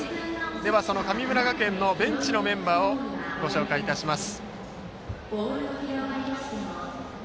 では、神村学園のベンチのメンバーをご紹介します。